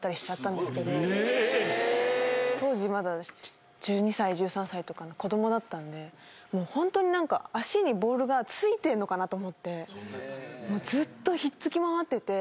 当時まだ１２歳１３歳とか子どもだったんでもうホントに何か足にボールがついてんのかなと思ってそんなやった？